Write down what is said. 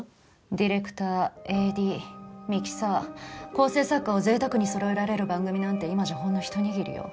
ディレクターＡＤミキサー構成作家を贅沢にそろえられる番組なんて今じゃほんのひと握りよ。